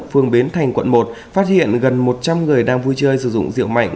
phường bến thành quận một phát hiện gần một trăm linh người đang vui chơi sử dụng rượu mạnh